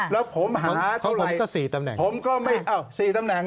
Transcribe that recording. แล้วผมหาเท่าไรผมก็ไม่อ้าว๔ตำแหน่ง